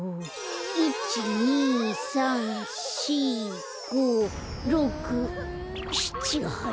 １２３４５６７８。